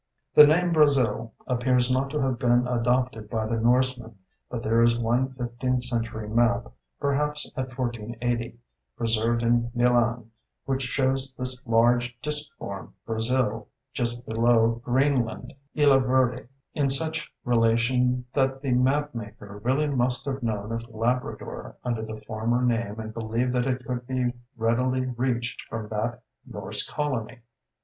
The name Brazil appears not to have been adopted by the Norsemen, but there is one fifteenth century map, perhaps of 1480, preserved in Milan, which shows this large disc form "Brazil" just below Greenland ("Illa Verde"), in such relation that the mapmaker really must have known of Labrador under the former name and believed that it could be readily reached from that Norse colony.